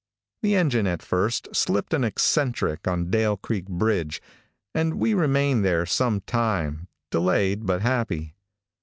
The engine at first slipped an eccentric on Dale Creek bridge, and we remained there some time, delayed but happy.